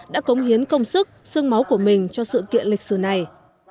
đã cống hiến công sức sương máu của mình cho sự kiện lịch sử này